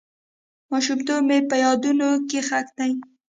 ماشومتوب مې په یادونو کې ښخ دی.